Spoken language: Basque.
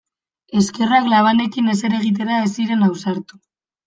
Eskerrak labanekin ezer egitera ez ziren ausartu.